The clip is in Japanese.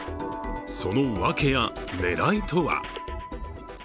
その訳や狙いとは？